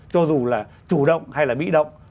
cho dù là chủ động hay là mỹ động